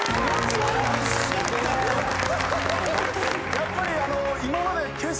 やっぱり。